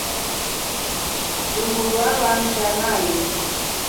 Uhuru avamsha nai.